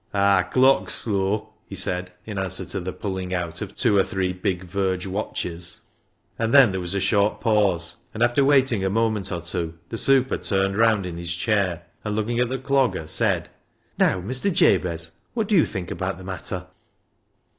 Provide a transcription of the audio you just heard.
" Aar clock's slow," he said, in answer to the pulling out of two or three big verge watches, THE HARMONIUM 353 And then there was a short pause, and, after waiting a moment or two, the super turned round in his chair, and looking at the Clogger, said —" Now, Mr. Jabez, what do you think about the matter?